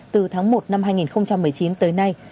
từ tháng một năm hai nghìn một mươi chín tới nay